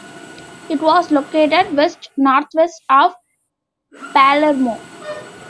It was located west-northwest of Palermo.